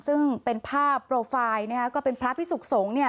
ซึ่งเป็นภาพโปรไฟล์นะฮะก็เป็นพระพิสุขสงฆ์เนี่ย